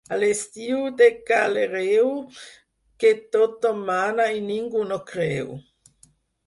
A l'estiu de ca l'Hereu, que tothom mana i ningú no creu.